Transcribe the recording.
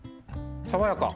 爽やか。